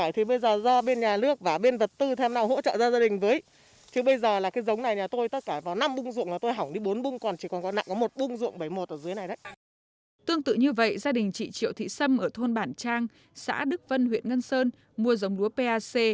tương tự như vậy gia đình chị triệu thị sâm ở thôn bản trang xã đức vân huyện ngân sơn mua giống lúa pac tám trăm ba mươi bảy